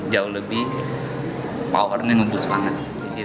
jauh lebih powernya ngebush banget